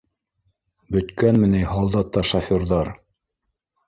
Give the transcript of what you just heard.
Бөткәнме ни һалдатта шоферҙар